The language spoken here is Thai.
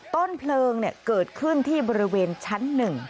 ต้นเพลิงเกิดขึ้นที่บริเวณชั้น๑